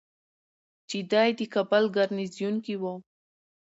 چې دی د کابل ګارنیزیون کې ؤ